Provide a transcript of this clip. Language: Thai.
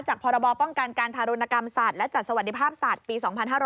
พรบป้องกันการทารุณกรรมสัตว์และจัดสวัสดิภาพสัตว์ปี๒๕๕๙